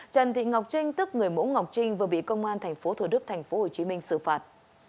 trần thị ngọc trinh tức người mẫu ngọc trinh vừa bị công an tp thủ đức tp hcm xử phạt